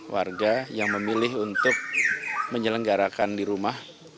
warga yang memilih untuk menyelenggarakan di rumah